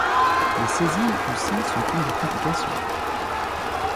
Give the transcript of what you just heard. Les saisies aussi sont une des complications.